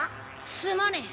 すまねえ。